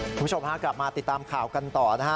คุณผู้ชมฮะกลับมาติดตามข่าวกันต่อนะฮะ